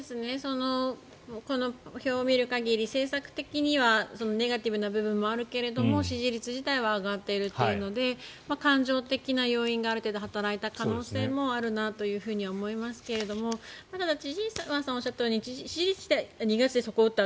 この表を見る限り政策的にはネガティブな部分もあるけれど支持率自体は上がっているというので感情的な要因がある程度働いた可能性もあるなと思いますけどもただ千々岩さんがおっしゃったように支持率自体２月に底を打った